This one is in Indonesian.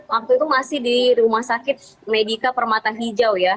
waktu itu masih di rumah sakit medika permata hijau ya